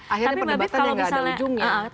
akhirnya perdebatannya nggak ada ujungnya